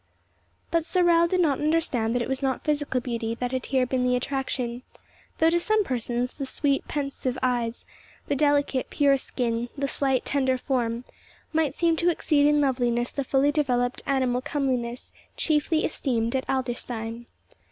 But Sorel did not understand that it was not physical beauty that here had been the attraction, though to some persons, the sweet, pensive eyes, the delicate, pure skin, the slight, tender form, might seem to exceed in loveliness the fully developed animal comeliness chiefly esteemed at Adlerstein.